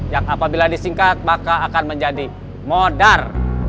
yang apabila disingkat maka akan menjadi modal